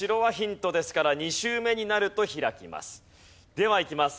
ではいきます。